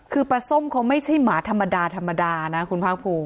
คือปลาส้มเขาไม่ใช่หมาธรรมดาธรรมดานะคุณภาคภูมิ